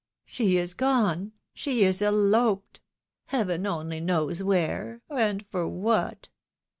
" She is gone ! She is eloped ! Heaven only knows where, and for what